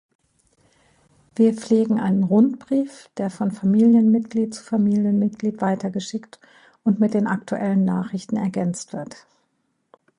Wir pflegen ein Rundbrief, der von Familienmitglieds Familien Mitglied weiter geschickt und mit den aktuellen Nachrichten ergänzt wird.